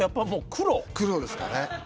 黒ですかね。